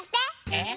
えっ？